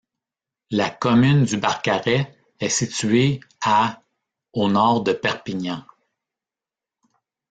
La commune du Barcarès est située à au nord de Perpignan.